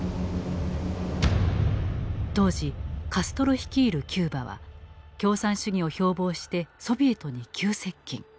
当時カストロ率いるキューバは共産主義を標榜してソビエトに急接近。